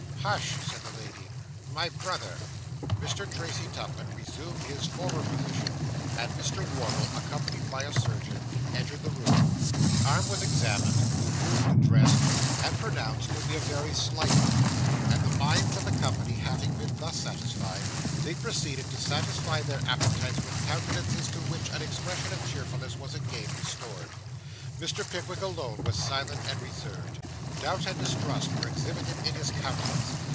Hush!' said the lady. 'My brother.' Mr. Tracy Tupman resumed his former position; and Mr. Wardle, accompanied by a surgeon, entered the room. The arm was examined, the wound dressed, and pronounced to be a very slight one; and the minds of the company having been thus satisfied, they proceeded to satisfy their appetites with countenances to which an expression of cheerfulness was again restored. Mr. Pickwick alone was silent and reserved. Doubt and distrust were exhibited in his countenance.